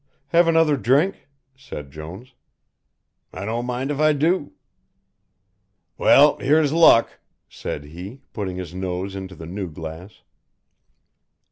"Have another drink?" said Jones. "I don't mind if I do." "Well, here's luck," said he, putting his nose into the new glass.